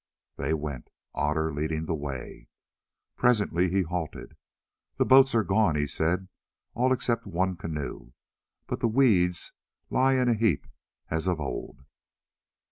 They went, Otter leading the way. Presently he halted. "The boats are gone," he said, "all except one canoe; but the 'weeds' lie in a heap as of old."